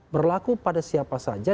berlaku pada siapa saja